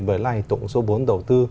bởi lại tổng số bốn đầu tư